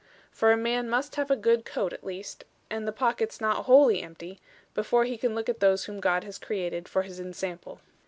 For a man must have a good coat at least, and the pockets not wholly empty, before he can look at those whom God has created for his ensample.